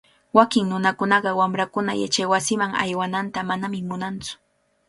Wakin nunakunaqa wamrankuna yachaywasiman aywananta manami munantsu.